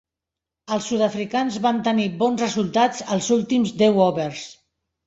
Els sud-africans van tenir bons resultats als últims deu overs.